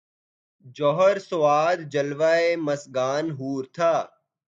جوہر سواد جلوۂ مژگان حور تھا